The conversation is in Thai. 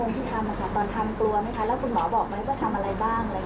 แล้วคุณหมอบอกไหมว่าทำอะไรบ้าง